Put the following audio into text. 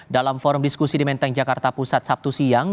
dalam forum diskusi di menteng jakarta pusat sabtu siang